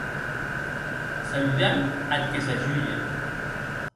Saludam ath que s’ajulhe.